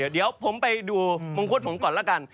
เดี๋ยวผมไปดูมงคุดผมก่อนแล้วกัน